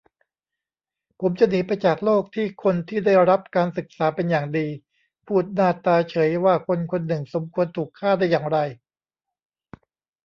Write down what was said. ผมจะหนีไปจากโลกที่คนที่ได้รับการศึกษาเป็นอย่างดี พูดหน้าตาเฉยว่าคนคนหนึ่งสมควรถูกฆ่า ได้อย่างไร